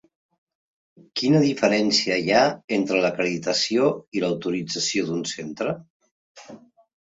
Quina diferència hi ha entre l'acreditació i l'autorització d'un centre?